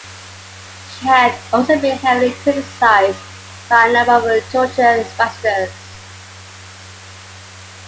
She had also been heavily criticized by a number of Georgian ambassadors.